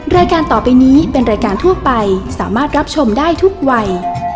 รายการต่อไปนี้เป็นรายการทั่วไปสามารถรับชมได้ทุกวัย